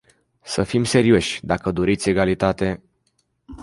Să fim serioși, dacă doriți egalitate...